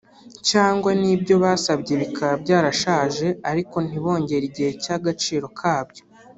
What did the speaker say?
cyangwa n’ibyo basabye bikaba byarashaje ariko ntibongere igihe cy’agaciro kabyo